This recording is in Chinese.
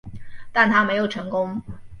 但它没有成功。